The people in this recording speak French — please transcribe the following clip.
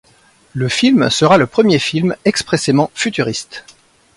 Le film sera le premier film expressément futuriste.